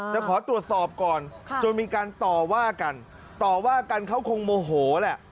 จะขอตรวจสอบก่อนจนมีการต่อว่ากันต่อว่ากันเขาคงโมโหแหละ